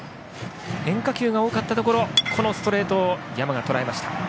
変化球が多かったところストレートを山がとらえました。